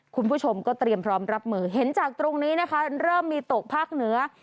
คุณผู้ชมก็เตรียมพร้อมรับมือเห็นจากตรงนี้นะคะเริ่มมีตกภาคเหนือ